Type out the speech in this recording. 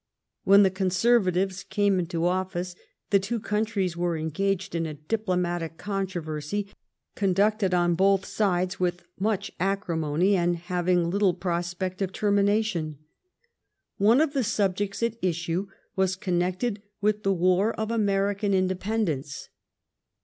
When the Conservatives came into office the two coun tries were engaged in a diplomatic controversy, con ducted on both sides with much acrimony, and having little prospect of termination. One of the subjects at issue was connected with the war of American inde pendence.